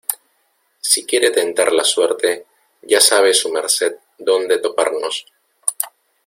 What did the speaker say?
si quiere tentar la suerte, ya sabe su merced dónde toparnos.